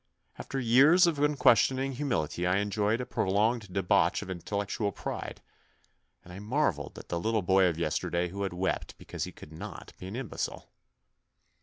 After years of unquestioning hu mility I enjoyed a prolonged debauch of intel lectual pride, and I marvelled at the little boy of yesterday who had wept because he could not be an imbecile.